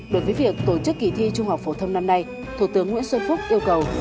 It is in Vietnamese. đối với việc tổ chức kỳ thi trung học phổ thông năm nay thủ tướng nguyễn xuân phúc yêu cầu